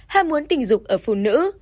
hai ham muốn tình dục ở phụ nữ